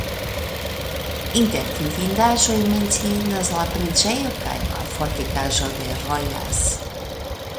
Inter vidindaĵoj menciindas la preĝejo kaj la fortikaĵo de Rojas.